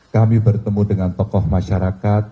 kami bertemu dengan tokoh masyarakat